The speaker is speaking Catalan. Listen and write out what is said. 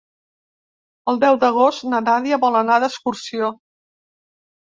El deu d'agost na Nàdia vol anar d'excursió.